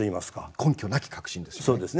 根拠なき確信ですよね。